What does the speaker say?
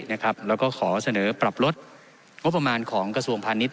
แล้วก็ขอเสนอปรับลดงบประมาณของกระทรวงพาณิชย